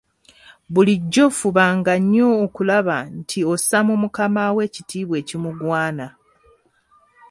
Bulijjo fubanga nnyo okulaba nti ossa mu mukamaawo ekitiibwa ekimugwana.